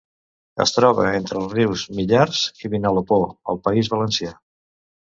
Es troba entre els rius Millars i Vinalopó al País Valencià.